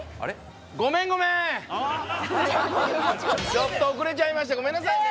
ちょっと遅れちゃいましてごめんなさいね。